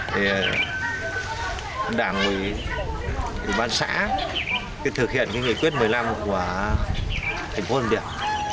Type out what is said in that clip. thì đảng quỳ bán xã thực hiện nghị quyết một mươi năm của thành phố hồng điện